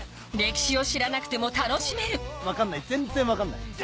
歴史を知らなくても楽しめる分かんない全然分かんない。